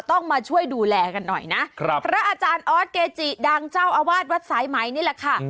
ต้องมาช่วยดูแลกันหน่อยนะครับพระอาจารย์ออสเกจิดังเจ้าอาวาสวัดสายไหมนี่แหละค่ะ